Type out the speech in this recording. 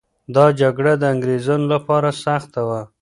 دا جګړه د انګریزانو لپاره سخته وه.